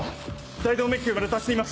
大動脈弓まで達しています。